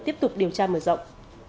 tiếp tục điều tra mở rộng